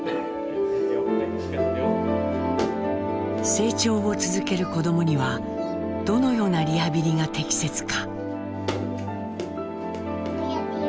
成長を続ける子どもにはどのようなリハビリが適切か。